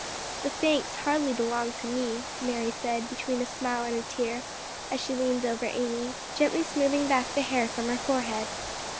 "The thanks hardly belong to me," Mary said, between a smile and a tear, as she leaned over Amy, gently smoothing back the hair from her forehead.